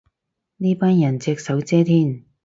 呢班人隻手遮天